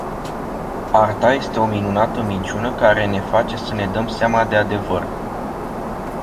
Arta este o minunată minciună care ne face să ne dăm seama de adevăr.